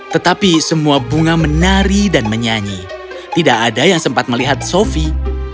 tetapi semua bunga menari dan menyanyi tidak ada yang sempat melihat sofie